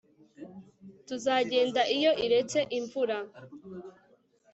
tuzagenda iyo iretse imvura